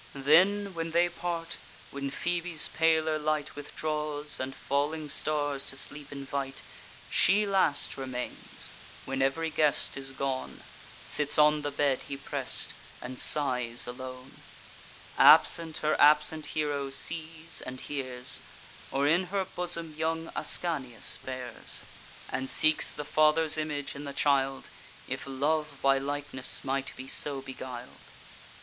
Then, when they part, when Phoebe's paler light Withdraws, and falling stars to sleep invite, She last remains, when ev'ry guest is gone, Sits on the bed he press'd, and sighs alone; Absent, her absent hero sees and hears; Or in her bosom young Ascanius bears, And seeks the father's image in the child, If love by likeness might be so beguil'd.